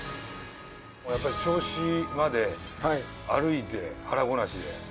やっぱり銚子まで歩いて腹ごなしで。